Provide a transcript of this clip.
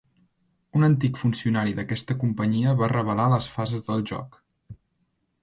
Un antic funcionari d'aquesta companyia va revelar les fases del joc.